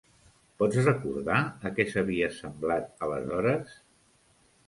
Pots recordar a què s'havia semblat aleshores?